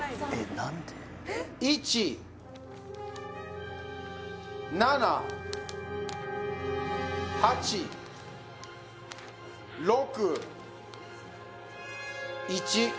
何で１７８６１